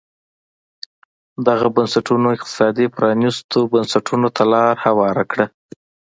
دغو بنسټونو اقتصادي پرانیستو بنسټونو ته لار هواره کړه.